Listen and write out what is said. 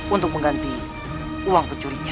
untuk mengganti uang pencurinya